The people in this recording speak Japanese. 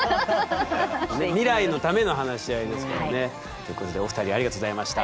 未来のための話し合いですからね。ということでお二人ありがとうございました。